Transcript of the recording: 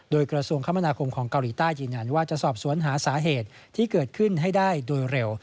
โดยกระทรวงคมนาคมของเกาหลีใต้ยืนยันว่าจะสอบสวนหาสาเหตุที่เกิดขึ้นให้ได้โดยเร็ว